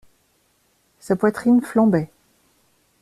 Sa poitrine flambait.